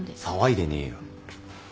騒いでねえよ。